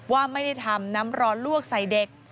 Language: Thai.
ว่าไม่ได้ทำน้ำร้อนลวกใส่เด็ก